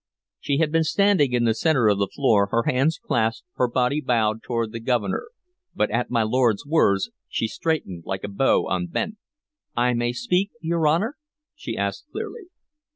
She had been standing in the centre of the floor, her hands clasped, her body bowed toward the Governor, but at my lord's words she straightened like a bow unbent. "I may speak, your Honor?" she asked clearly.